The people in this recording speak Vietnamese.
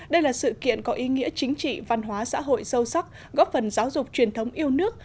đây là sự kiện có ý nghĩa chính trị văn hóa xã hội sâu sắc góp phần giáo dục truyền thống yêu nước